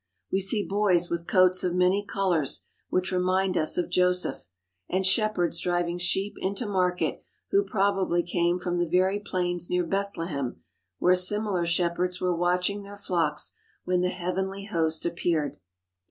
We see boys with coats of many colours, which remind us of Joseph, and shepherds driving sheep into market who probably came from the very plains near Bethlehem where similar shepherds were watching their flocks when the heavenly host appeared.